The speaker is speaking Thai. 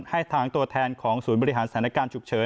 ให้ทางตัวแทนของศูนย์บริหารสถานการณ์ฉุกเฉิน